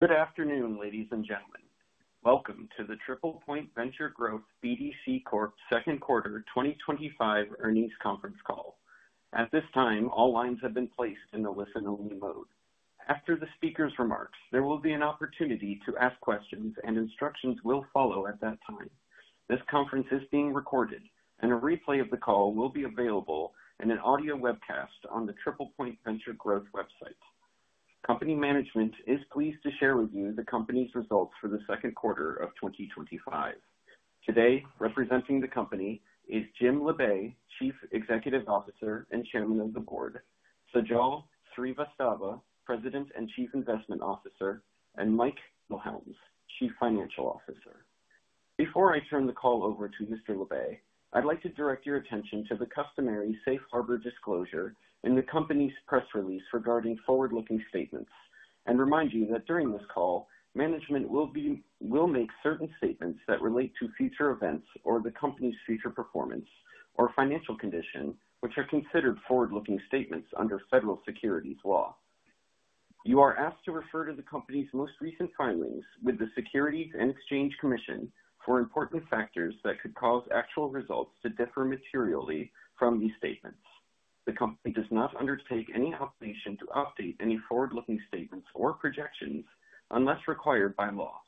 Good afternoon, ladies and gentlemen. Welcome to the TriplePoint Venture Growth BDC Corp.'s Second Quarter 2025 Earnings Conference Call. At this time, all lines have been placed in the listen-only mode. After the speaker's remarks, there will be an opportunity to ask questions, and instructions will follow at that time. This conference is being recorded, and a replay of the call will be available in an audio webcast on the TriplePoint Venture Growth website. Company management is pleased to share with you the company's results for the second quarter of 2025. Today, representing the company is Jim Labe, Chief Executive Officer and Chairman of the Board, Sajal Srivastava, President and Chief Investment Officer, and Mike Wilhelms, Chief Financial Officer. Before I turn the call over to Mr. Labe, I'd like to direct your attention to the customary safe harbor disclosure in the company's press release regarding forward-looking statements, and remind you that during this call, management will make certain statements that relate to future events or the company's future performance or financial condition, which are considered forward-looking statements under Federal Securities Law. You are asked to refer to the company's most recent filings with the Securities and Exchange Commission for important factors that could cause actual results to differ materially from these statements. The company does not undertake any obligation to update any forward-looking statements or projections unless required by law.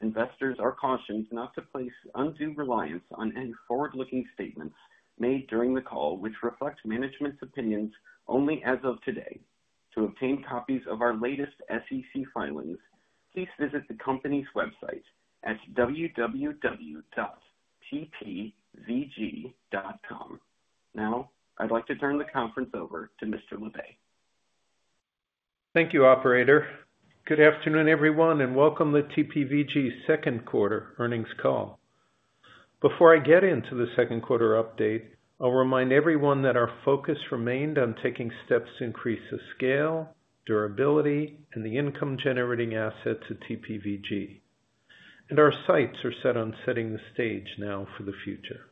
Investors are cautioned not to place undue reliance on any forward-looking statements made during the call which reflect management's opinions only as of today. To obtain copies of our latest SEC filings, please visit the company's website at www.tpvg.com. Now, I'd like to turn the conference over to Mr. Labe. Thank you, Operator. Good afternoon, everyone, and welcome to TPVG's second quarter earnings call. Before I get into the second quarter update, I'll remind everyone that our focus remained on taking steps to increase the scale, durability, and the income-generating assets at TPVG. Our sights are set on setting the stage now for the future.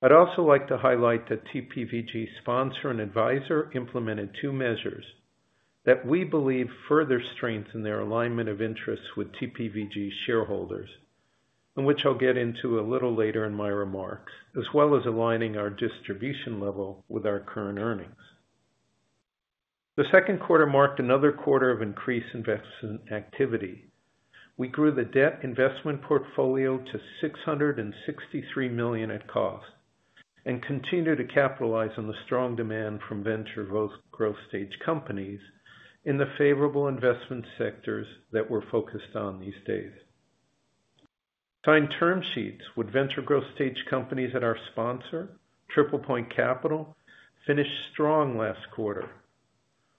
I'd also like to highlight that TPVG's sponsor and advisor implemented two measures that we believe further strengthen their alignment of interests with TPVG's shareholders, which I'll get into a little later in my remarks, as well as aligning our distribution level with our current earnings. The second quarter marked another quarter of increased investment activity. We grew the debt investment portfolio to $663 million at cost and continue to capitalize on the strong demand from venture growth stage companies in the favorable investment sectors that we're focused on these days. Signed term sheets with venture growth stage companies at our sponsor, TriplePoint Capital, finished strong last quarter.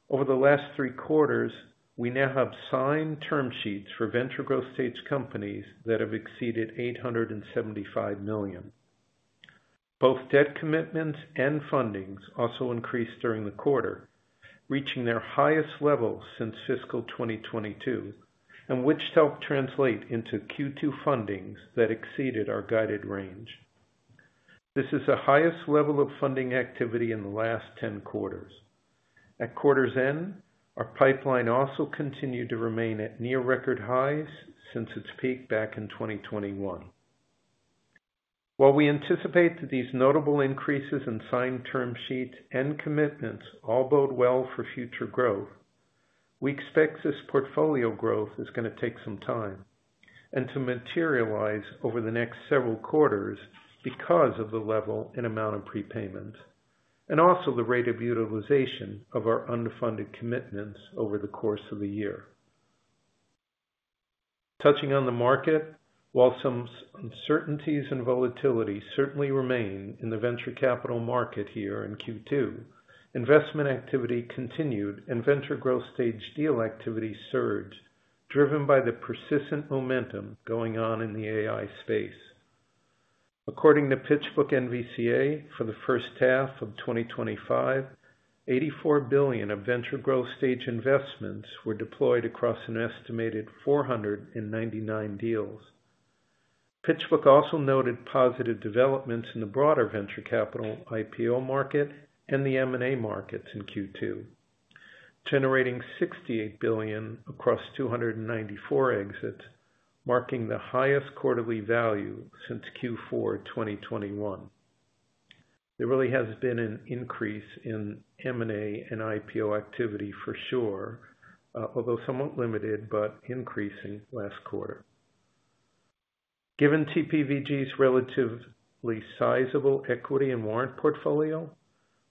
Over the last three quarters, we now have signed term sheets for venture growth stage companies that have exceeded $875 million. Both debt commitments and fundings also increased during the quarter, reaching their highest level since fiscal 2022, which helped translate into Q2 fundings that exceeded our guided range. This is the highest level of funding activity in the last 10 quarters. At quarter's end, our pipeline also continued to remain at near record highs since its peak back in 2021. While we anticipate that these notable increases in signed term sheets and commitments all bode well for future growth, we expect this portfolio growth is going to take some time to materialize over the next several quarters because of the level and amount of prepayments, and also the rate of utilization of our unfunded commitments over the course of the year. Touching on the market, while some uncertainties and volatility certainly remain in the venture capital market here in Q2, investment activity continued and venture growth stage deal activity surged, driven by the persistent momentum going on in the AI space. According to PitchBook NVCA for the first half of 2025, $84 billion of venture growth stage investments were deployed across an estimated 499 deals. PitchBook also noted positive developments in the broader venture capital IPO market and the M&A markets in Q2, generating $68 billion across 294 exits, marking the highest quarterly value since Q4 2021. There really has been an increase in M&A and IPO activity for sure, although somewhat limited but increasing last quarter. Given TPVG's relatively sizable equity and warrant portfolio,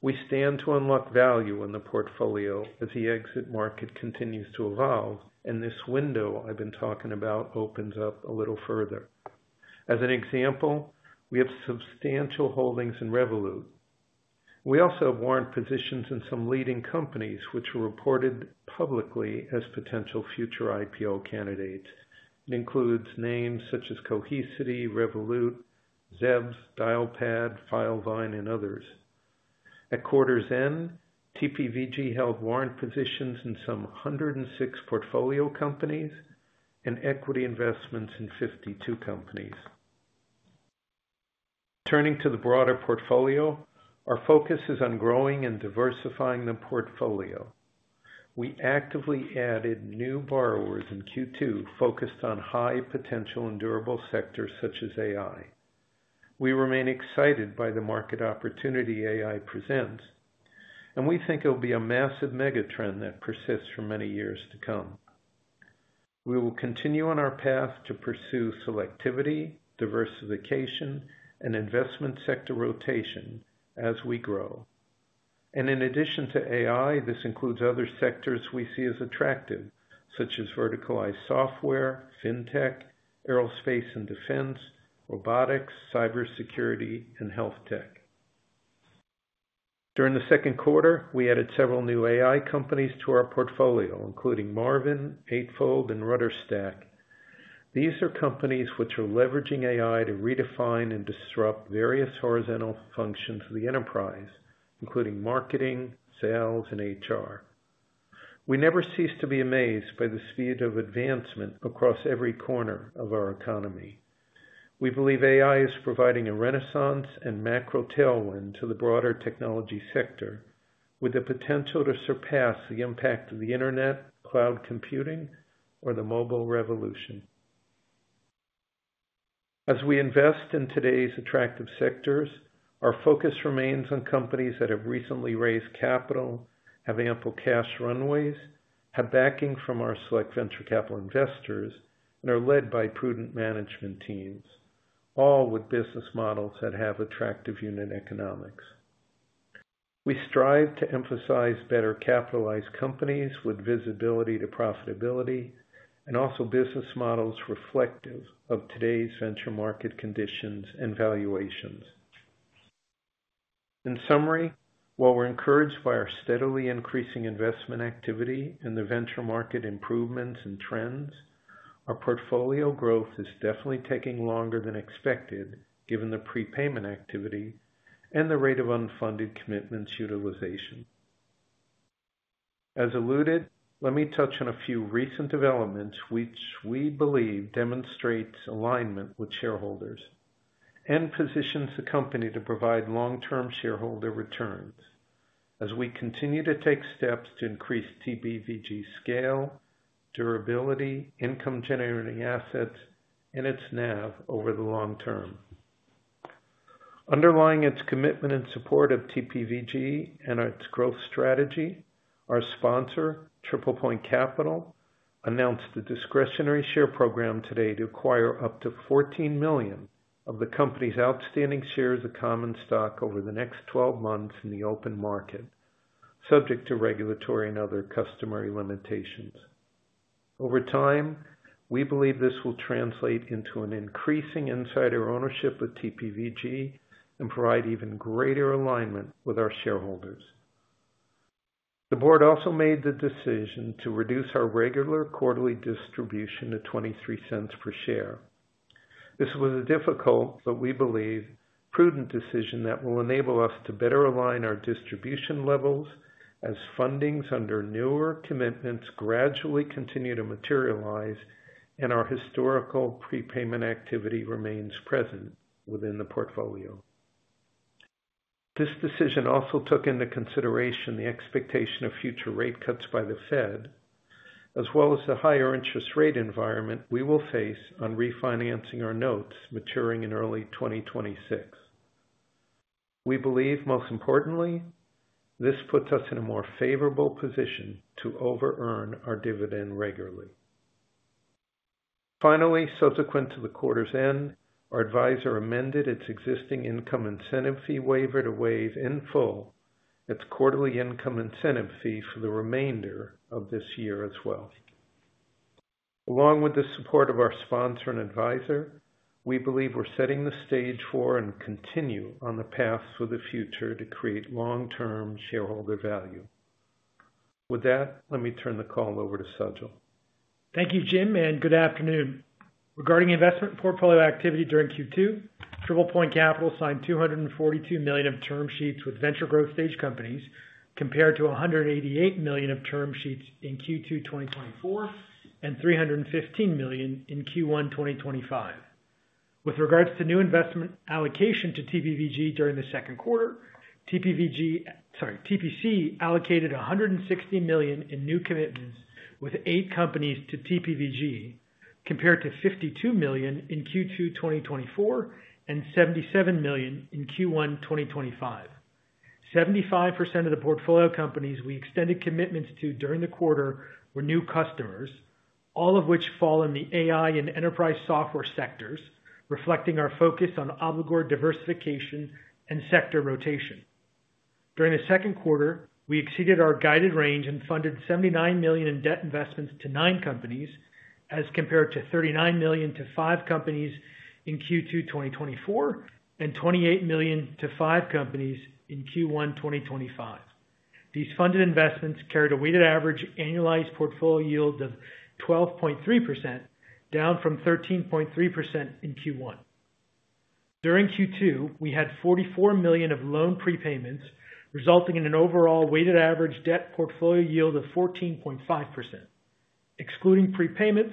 we stand to unlock value in the portfolio as the exit market continues to evolve, and this window I've been talking about opens up a little further. As an example, we have substantial holdings in Revolut. We also have warrant positions in some leading companies which are reported publicly as potential future IPO candidates. It includes names such as Cohesity, Revolut, Zevs, Dialpad, Filevine, and others. At quarter's end, TPVG held warrant positions in some 106 portfolio companies and equity investments in 52 companies. Turning to the broader portfolio, our focus is on growing and diversifying the portfolio. We actively added new borrowers in Q2 focused on high-potential and durable sectors such as AI. We remain excited by the market opportunity AI presents, and we think it will be a massive megatrend that persists for many years to come. We will continue on our path to pursue selectivity, diversification, and investment sector rotation as we grow. In addition to AI, this includes other sectors we see as attractive, such as verticalized software, fintech, aerospace and defense, robotics, cybersecurity, and health tech. During the second quarter, we added several new AI companies to our portfolio, including Marvin, Eightfold, and RudderStack. These are companies which are leveraging AI to redefine and disrupt various horizontal functions of the enterprise, including marketing, sales, and HR. We never cease to be amazed by the speed of advancement across every corner of our economy. We believe AI is providing a renaissance and macro tailwind to the broader technology sector with the potential to surpass the impact of the internet, cloud computing, or the mobile revolution. As we invest in today's attractive sectors, our focus remains on companies that have recently raised capital, have ample cash runways, have backing from our select venture capital investors, and are led by prudent management teams, all with business models that have attractive unit economics. We strive to emphasize better capitalized companies with visibility to profitability and also business models reflective of today's venture market conditions and valuations. In summary, while we're encouraged by our steadily increasing investment activity and the venture market improvements and trends, our portfolio growth is definitely taking longer than expected given the prepayment activity and the rate of unfunded commitments utilization. As alluded, let me touch on a few recent developments which we believe demonstrate alignment with shareholders and position the company to provide long-term shareholder returns as we continue to take steps to increase TPVG's scale, durability, income-generating assets, and its net asset value over the long term. Underlying its commitment and support of TPVG and its growth strategy, our sponsor, TriplePoint Capital, announced the discretionary share program today to acquire up to $14 million of the company's outstanding shares of common stock over the next 12 months in the open market, subject to regulatory and other customary limitations. Over time, we believe this will translate into an increasing insider ownership of TPVG and provide even greater alignment with our shareholders. The board also made the decision to reduce our regular quarterly distribution to $0.23 per share. This was a difficult, but we believe, prudent decision that will enable us to better align our distribution levels as fundings under newer commitments gradually continue to materialize and our historical prepayment activity remains present within the portfolio. This decision also took into consideration the expectation of future rate cuts by the Fed, as well as the higher interest rate environment we will face on refinancing our notes maturing in early 2026. We believe, most importantly, this puts us in a more favorable position to over-earn our dividend regularly. Finally, subsequent to the quarter's end, our advisor amended its existing income incentive fee waiver to waive in full its quarterly income incentive fee for the remainder of this year as well. Along with the support of our sponsor and advisor, we believe we're setting the stage for and continue on the path for the future to create long-term shareholder value. With that, let me turn the call over to Sajal. Thank you, Jim, and good afternoon. Regarding investment portfolio activity during Q2, TriplePoint Capital signed $242 million of term sheets with venture growth stage companies, compared to $188 million of term sheets in Q2 2024 and $315 million in Q1 2025. With regards to new investment allocation to TPVG. during the second quarter, TPC allocated $160 million in new commitments with eight companies to TriplePoint Venture Growth BDC Corp., compared to $52 million in Q2 2024 and $77 million in Q1 2025. 75% of the portfolio companies we extended commitments to during the quarter were new customers, all of which fall in the artificial intelligence and enterprise software sectors, reflecting our focus on obligor diversification and sector rotation. During the second quarter, we exceeded our guided range and funded $79 million in debt investments to nine companies, as compared to $39 million to five companies in Q2 2024 and $28 million to five companies in Q1 2025. These funded investments carried a weighted average annualized portfolio yield of 12.3%, down from 13.3% in Q1. During Q2, we had $44 million of loan prepayments, resulting in an overall weighted average debt portfolio yield of 14.5%. Excluding prepayments,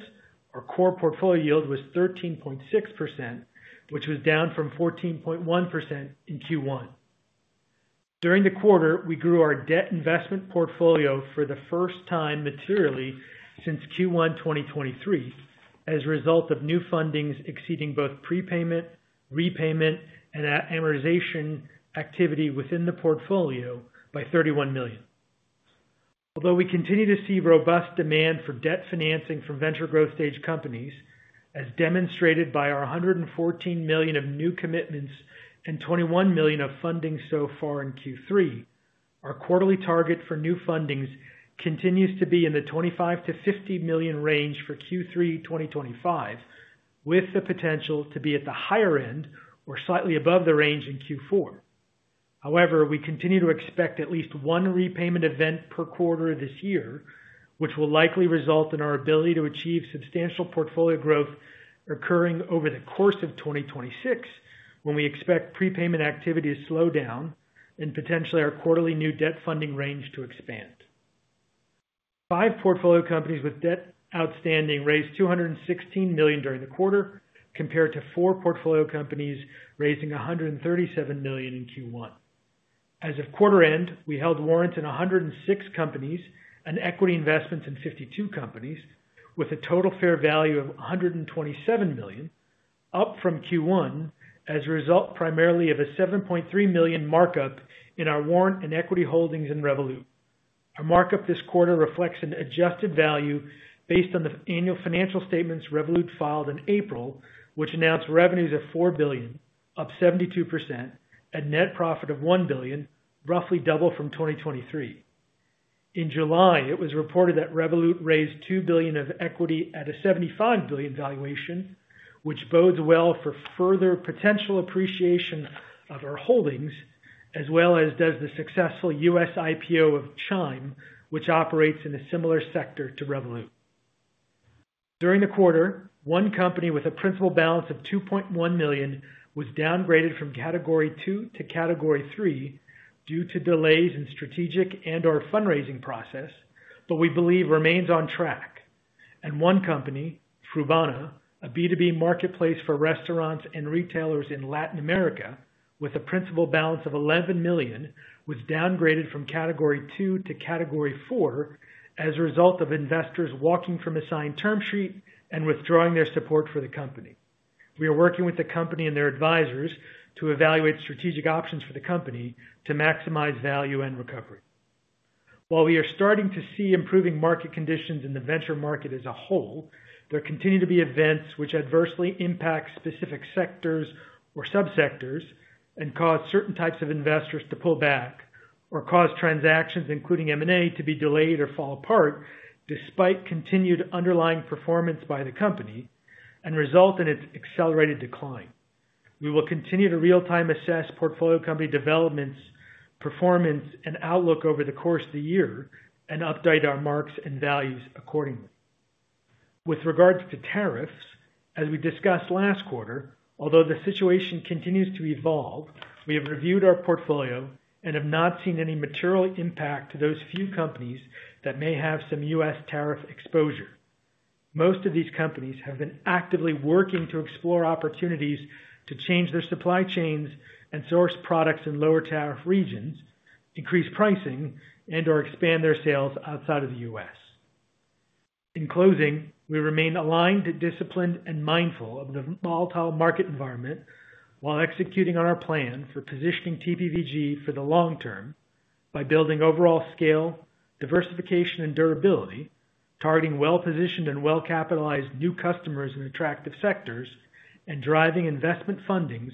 our core portfolio yield was 13.6%, which was down from 14.1% in Q1. During the quarter, we grew our debt investment portfolio for the first time materially since Q1 2023 as a result of new fundings exceeding both prepayment, repayment, and amortization activity within the portfolio by $31 million. Although we continue to see robust demand for debt financing from venture growth stage companies, as demonstrated by our $114 million of new commitments and $21 million of funding so far in Q3, our quarterly target for new fundings continues to be in the $25 million-$50 million range for Q3 2025, with the potential to be at the higher end or slightly above the range in Q4. However, we continue to expect at least one repayment event per quarter this year, which will likely result in our ability to achieve substantial portfolio growth occurring over the course of 2026 when we expect prepayment activity to slow down and potentially our quarterly new debt funding range to expand. Five portfolio companies with debt outstanding raised $216 million during the quarter, compared to four portfolio companies raising $137 million in Q1. As of quarter end, we held warrants in 106 companies and equity investments in 52 companies, with a total fair value of $127 million, up from Q1 as a result primarily of a $7.3 million markup in our warrant and equity holdings in Revolut. Our markup this quarter reflects an adjusted value based on the annual financial statements Revolut filed in April, which announced revenues of $4 billion, up 72%, at a net profit of $1 billion, roughly double from 2023. In July, it was reported that Revolut raised $2 billion of equity at a $75 billion valuation, which bodes well for further potential appreciation of our holdings, as well as does the successful U.S. IPO of Chime, which operates in a similar sector to Revolut. During the quarter, one company with a principal balance of $2.1 million was downgraded from Category 2 to Category 3 due to delays in strategic and/or fundraising process, but we believe remains on track. One company, Frubana, a B2B marketplace for restaurants and retailers in Latin America with a principal balance of $11 million, was downgraded from Category 2 to Category 4 as a result of investors walking from a signed term sheet and withdrawing their support for the company. We are working with the company and their advisors to evaluate strategic options for the company to maximize value and recovery. While we are starting to see improving market conditions in the venture market as a whole, there continue to be events which adversely impact specific sectors or subsectors and cause certain types of investors to pull back or cause transactions, including M&A, to be delayed or fall apart despite continued underlying performance by the company and result in its accelerated decline. We will continue to real-time assess portfolio company developments, performance, and outlook over the course of the year and update our marks and values accordingly. With regards to tariffs, as we discussed last quarter, although the situation continues to evolve, we have reviewed our portfolio and have not seen any material impact to those few companies that may have some U.S. tariff exposure. Most of these companies have been actively working to explore opportunities to change their supply chains and source products in lower tariff regions, increase pricing, and/or expand their sales outside of the U.S. In closing, we remain aligned, disciplined, and mindful of the volatile market environment while executing on our plan for positioning TPVG for the long term by building overall scale, diversification, and durability, targeting well-positioned and well-capitalized new customers in attractive sectors, and driving investment fundings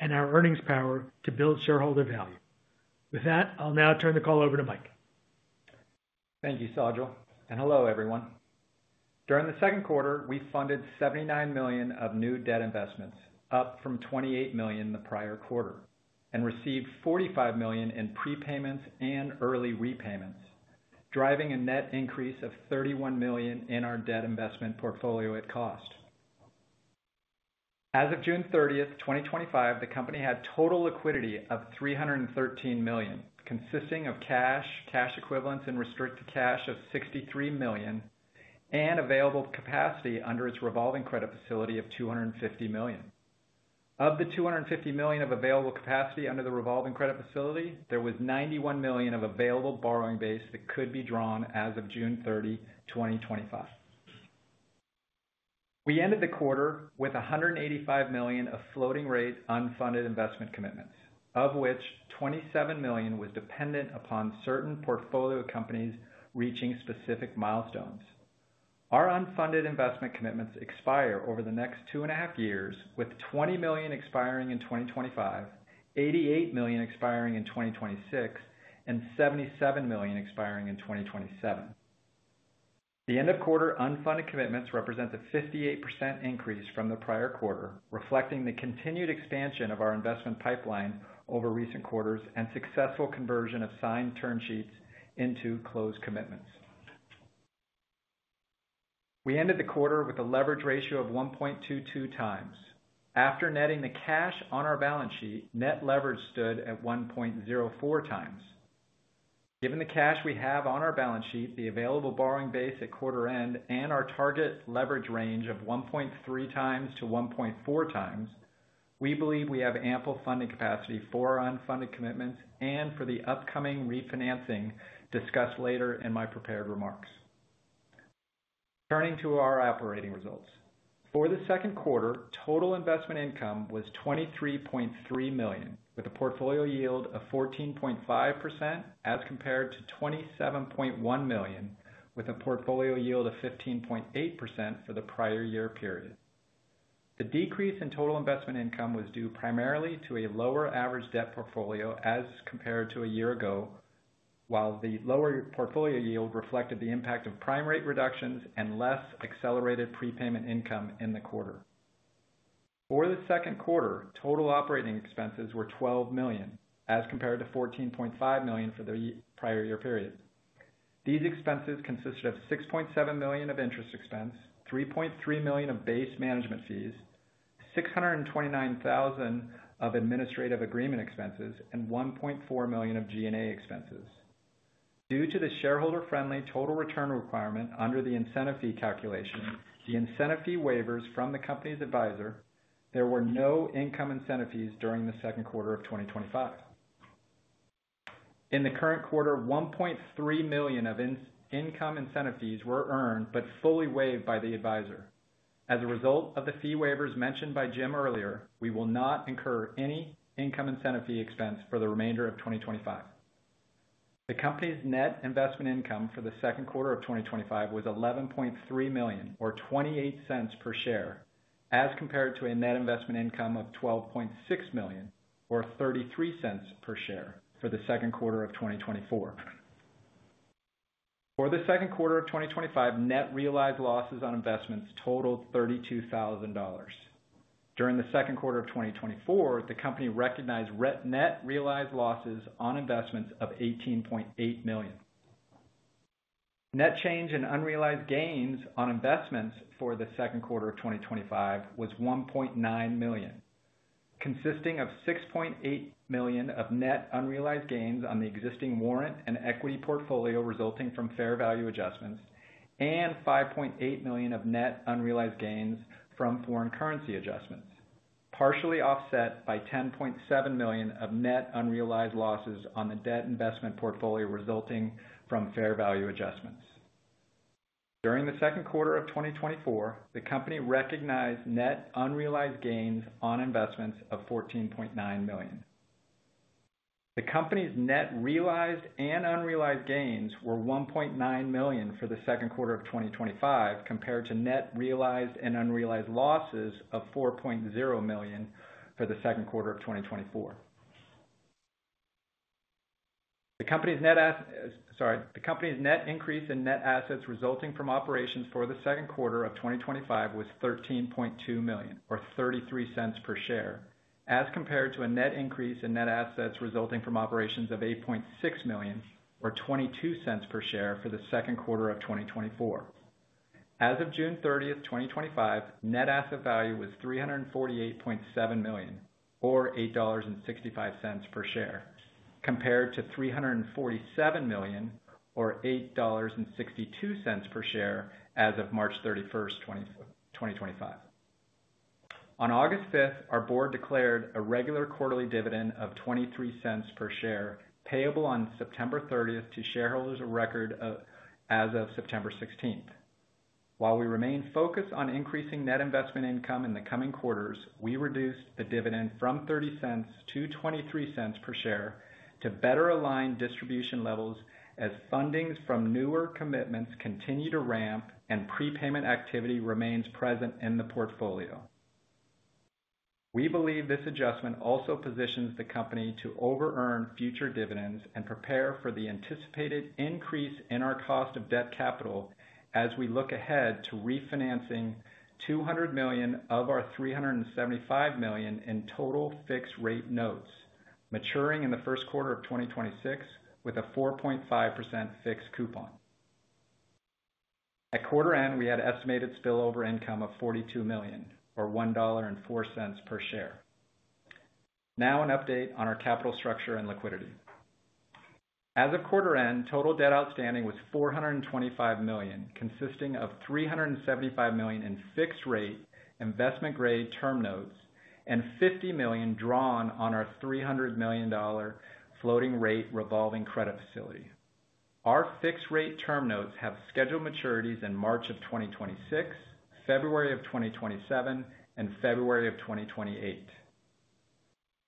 and our earnings power to build shareholder value. With that, I'll now turn the call over to Mike. Thank you, Sajal, and hello, everyone. During the second quarter, we funded $79 million of new debt investments, up from $28 million in the prior quarter, and received $45 million in prepayments and early repayments, driving a net increase of $31 million in our debt investment portfolio at cost. As of June 30, 2025, the company had total liquidity of $313 million, consisting of cash, cash equivalents, and restricted cash of $63 million, and available capacity under its revolving credit facility of $250 million. Of the $250 million of available capacity under the revolving credit facility, there was $91 million of available borrowing base that could be drawn as of June 30, 2025. We ended the quarter with $185 million of floating-rate unfunded investment commitments, of which $27 million was dependent upon certain portfolio companies reaching specific milestones. Our unfunded investment commitments expire over the next two and a half years, with $20 million expiring in 2025, $88 million expiring in 2026, and $77 million expiring in 2027. The end-of-quarter unfunded commitments represent a 58% increase from the prior quarter, reflecting the continued expansion of our investment pipeline over recent quarters and successful conversion of signed term sheets into closed commitments. We ended the quarter with a leverage ratio of 1.22x. After netting the cash on our balance sheet, net leverage stood at 1.04x. Given the cash we have on our balance sheet, the available borrowing base at quarter end, and our target leverage range of 1.3x to 1.4x, we believe we have ample funding capacity for our unfunded commitments and for the upcoming refinancing discussed later in my prepared remarks. Turning to our operating results. For the second quarter, total investment income was $23.3 million, with a portfolio yield of 14.5% as compared to $27.1 million, with a portfolio yield of 15.8% for the prior year period. The decrease in total investment income was due primarily to a lower average debt portfolio as compared to a year ago, while the lower portfolio yield reflected the impact of prime rate reductions and less accelerated prepayment income in the quarter. For the second quarter, total operating expenses were $12 million, as compared to $14.5 million for the prior year period. These expenses consisted of $6.7 million of interest expense, $3.3 million of base management fees, $629,000 of administrative agreement expenses, and $1.4 million of G&A expenses. Due to the shareholder-friendly total return requirement under the incentive fee calculation, the incentive fee waivers from the company's advisor, there were no income incentive fees during the second quarter of 2025. In the current quarter, $1.3 million of income incentive fees were earned but fully waived by the advisor. As a result of the fee waivers mentioned by Jim earlier, we will not incur any income incentive fee expense for the remainder of 2025. The company's net investment income for the second quarter of 2025 was $11.3 million, or $0.28 per share, as compared to a net investment income of $12.6 million, or $0.33 per share for the second quarter of 2024. For the second quarter of 2025, net realized losses on investments totaled $32,000. During the second quarter of 2024, the company recognized net realized losses on investments of $18.8 million. Net change in unrealized gains on investments for the second quarter of 2025 was $1.9 million, consisting of $6.8 million of net unrealized gains on the existing warrant and equity portfolio resulting from fair value adjustments and $5.8 million of net unrealized gains from foreign currency adjustments, partially offset by $10.7 million of net unrealized losses on the debt investment portfolio resulting from fair value adjustments. During the second quarter of 2024, the company recognized net unrealized gains on investments of $14.9 million. The company's net realized and unrealized gains were $1.9 million for the second quarter of 2025, compared to net realized and unrealized losses of $4.0 million for the second quarter of 2024. The company's net increase in net assets resulting from operations for the second quarter of 2025 was $13.2 million, or $0.33 per share, as compared to a net increase in net assets resulting from operations of $8.6 million, or $0.22 per share for the second quarter of 2024. As of June 30, 2025, net asset value was $348.7 million, or $8.65 per share, compared to $347 million, or $8.62 per share as of March 31, 2025. On August 5, our board declared a regular quarterly dividend of $0.23 per share, payable on September 30 to shareholders of record as of September 16. While we remain focused on increasing net investment income in the coming quarters, we reduced the dividend from $0.30-$0.23 per share to better align distribution levels as fundings from newer commitments continue to ramp and prepayment activity remains present in the portfolio. We believe this adjustment also positions the company to over-earn future dividends and prepare for the anticipated increase in our cost of debt capital as we look ahead to refinancing $200 million of our $375 million in total fixed-rate notes, maturing in the first quarter of 2026 with a 4.5% fixed coupon. At quarter end, we had estimated spillover income of $42 million, or $1.04 per share. Now, an update on our capital structure and liquidity. As of quarter end, total debt outstanding was $425 million, consisting of $375 million in fixed-rate investment-grade term notes and $50 million drawn on our $300 million floating-rate revolving credit facility. Our fixed-rate term notes have scheduled maturities in March 2026, February 2027, and February 2028.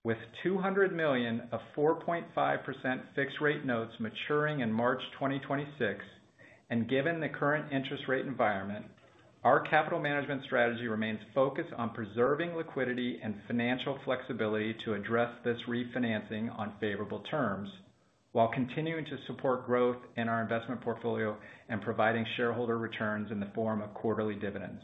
With $200 million of 4.5% fixed-rate notes maturing in March 2026, and given the current interest rate environment, our capital management strategy remains focused on preserving liquidity and financial flexibility to address this refinancing on favorable terms, while continuing to support growth in our investment portfolio and providing shareholder returns in the form of quarterly dividends.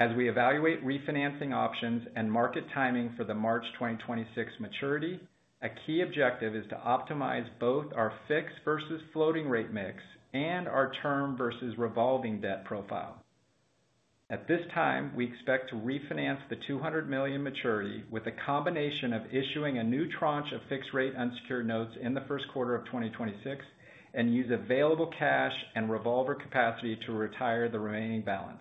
As we evaluate refinancing options and market timing for the March 2026 maturity, a key objective is to optimize both our fixed versus floating-rate mix and our term versus revolving debt profile. At this time, we expect to refinance the $200 million maturity with a combination of issuing a new tranche of fixed-rate unsecured notes in the first quarter of 2026 and use available cash and revolver capacity to retire the remaining balance.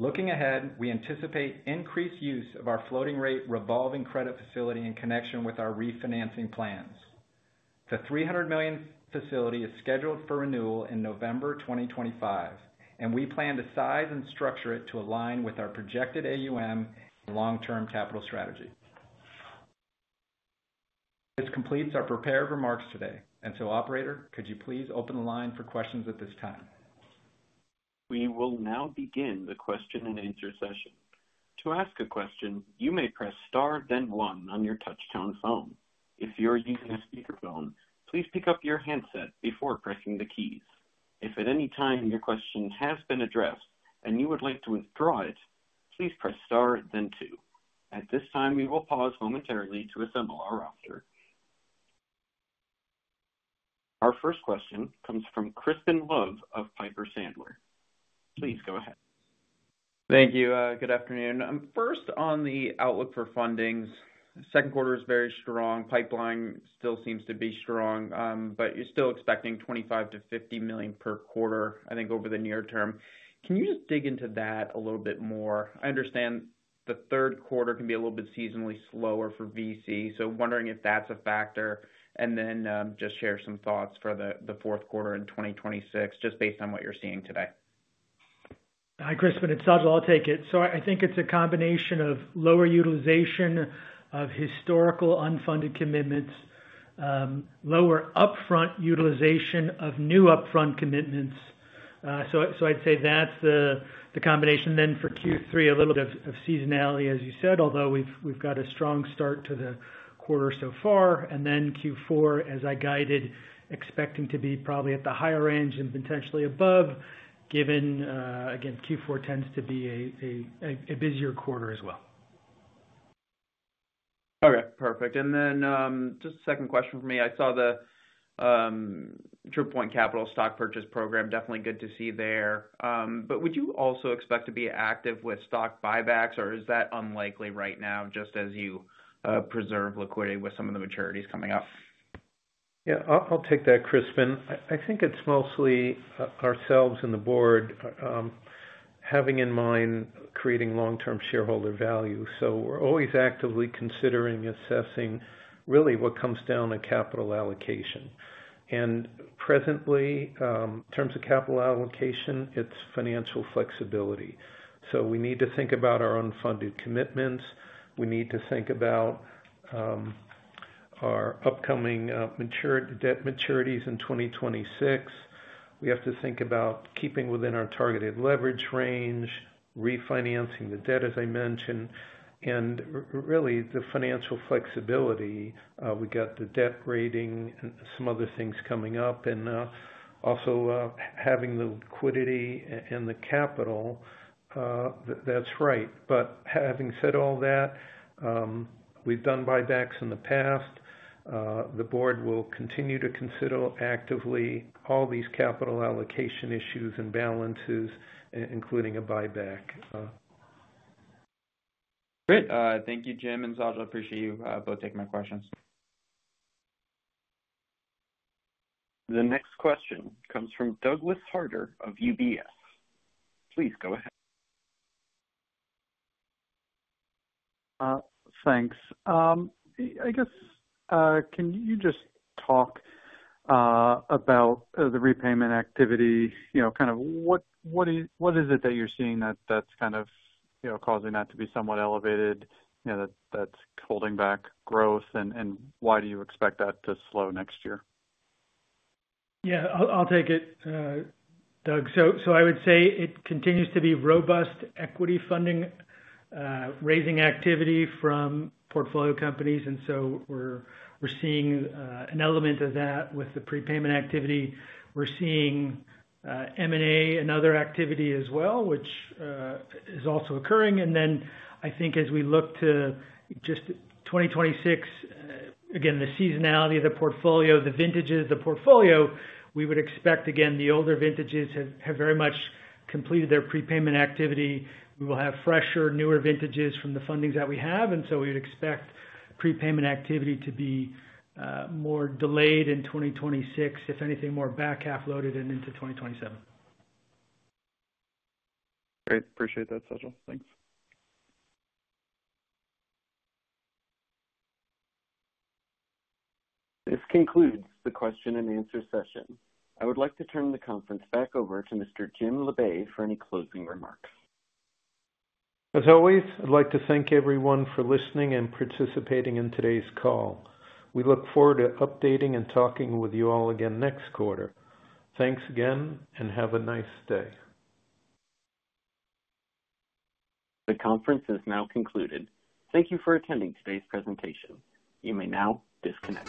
Looking ahead, we anticipate increased use of our floating-rate revolving credit facility in connection with our refinancing plans. The $300 million facility is scheduled for renewal in November 2025, and we plan to size and structure it to align with our projected AUM and long-term capital strategy. This completes our prepared remarks today, and Operator, could you please open the line for questions at this time? We will now begin the question and answer session. To ask a question, you may press star, then one on your touch-tone phone. If you are using a speakerphone, please pick up your handset before pressing the keys. If at any time your question has been addressed and you would like to withdraw it, please press star, then two. At this time, we will pause momentarily to assemble our roster. Our first question comes from Crispin Love of Piper Sandler. Please go ahead. Thank you. Good afternoon. First, on the outlook for fundings, the second quarter is very strong. Pipeline still seems to be strong, but you're still expecting $25 million-$50 million per quarter, I think, over the near term. Can you just dig into that a little bit more? I understand the third quarter can be a little bit seasonally slower for VC, so I'm wondering if that's a factor, and then just share some thoughts for the fourth quarter in 2026, just based on what you're seeing today. Hi, Crispin. It's Sajal. I'll take it. I think it's a combination of lower utilization of historical unfunded commitments, lower upfront utilization of new upfront commitments. I'd say that's the combination. For Q3, a little bit of seasonality, as you said, although we've got a strong start to the quarter so far. For Q4, as I guided, expecting to be probably at the higher range and potentially above, given, again, Q4 tends to be a busier quarter as well. Okay, perfect. Just a second question for me. I saw the TriplePoint Capital stock purchase program, definitely good to see there. Would you also expect to be active with stock buybacks, or is that unlikely right now, just as you preserve liquidity with some of the maturities coming up? Yeah, I'll take that, Crispin. I think it's mostly ourselves and the board having in mind creating long-term shareholder value. We're always actively considering, assessing really what comes down to capital allocation. Presently, in terms of capital allocation, it's financial flexibility. We need to think about our unfunded commitments. We need to think about our upcoming debt maturities in 2026. We have to think about keeping within our targeted leverage range, refinancing the debt, as I mentioned, and really the financial flexibility. We got the debt rating and some other things coming up, also having the liquidity and the capital. That's right. Having said all that, we've done buybacks in the past. The board will continue to consider actively all these capital allocation issues and balances, including a buyback. Great. Thank you, Jim and Sajal. I appreciate you both taking my questions. The next question comes from Douglas Harter of UBS. Please go ahead. Thanks. I guess, can you just talk about the repayment activity? You know, what is it that you're seeing that's causing that to be somewhat elevated, you know, that's holding back growth, and why do you expect that to slow next year? Yeah, I'll take it, Doug. I would say it continues to be robust equity funding, raising activity from portfolio companies, and we're seeing an element of that with the prepayment activity. We're seeing M&A and other activity as well, which is also occurring. I think as we look to just 2026, again, the seasonality of the portfolio, the vintages of the portfolio, we would expect, again, the older vintages have very much completed their prepayment activity. We will have fresher, newer vintages from the fundings that we have, and we would expect prepayment activity to be more delayed in 2026, if anything, more back half-loaded and into 2027. Great. Appreciate that, Sajal. Thanks. This concludes the question and answer session. I would like to turn the conference back over to Mr. Jim Labe for any closing remarks. As always, I'd like to thank everyone for listening and participating in today's call. We look forward to updating and talking with you all again next quarter. Thanks again, and have a nice day. The conference is now concluded. Thank you for attending today's presentation. You may now disconnect.